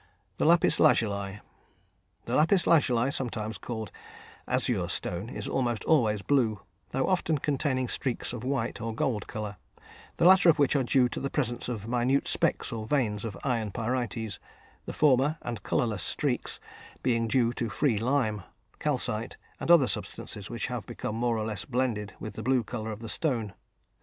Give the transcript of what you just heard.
The Lapis Lazuli. The lapis lazuli, sometimes called "azure stone," is almost always blue, though often containing streaks of white and gold colour, the latter of which are due to the presence of minute specks or veins of iron pyrites, the former and colourless streaks being due to free lime, calcite, and other substances which have become more or less blended with the blue colour of the stone.